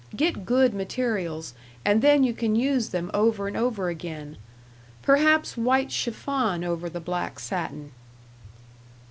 Get good materials, and then you can use them over and over again perhaps white chiffon over the black satin."